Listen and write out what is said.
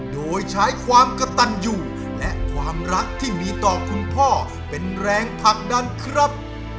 โดยใช้ความกระตันอยู่และความรักที่มีต่อคุณพ่อเป็นแรงผลักดันครับ